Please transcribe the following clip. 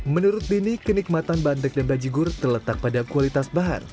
menurut dini kenikmatan bandrek dan bajigur terletak pada kualitas bahan